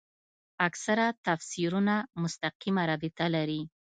اکثره تفسیرونه مستقیمه رابطه لري.